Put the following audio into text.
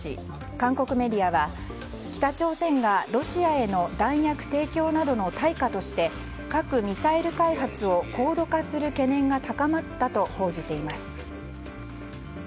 韓国メディアは、北朝鮮がロシアへの弾薬提供などの対価として核・ミサイル開発を高度化する懸念が高まったと報じています。